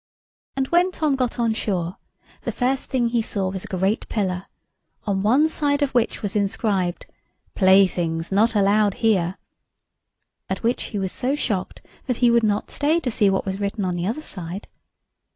And when Tom got on shore the first thing he saw was a great pillar, on one side of which was inscribed, "Playthings not allowed here;" at which he was so shocked that he would not stay to see what was written on the other side.